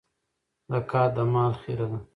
زکات د مال خيره ده.